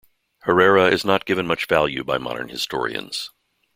Herrera is not given much value by modern historians.